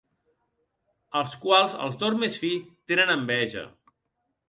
Als quals els d'or més fi tenen enveja.